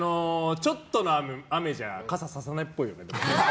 ちょっとの雨じゃ傘ささないっぽいよね。